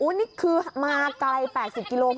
อู้วนี่คือมาไกล๘๐กิโลเมตร